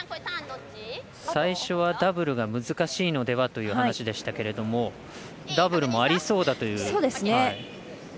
最初はダブルが難しいのではという話でしたけれどもダブルもありそうだという。